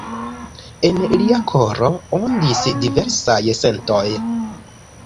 En lia koro ondis diversaj sentoj.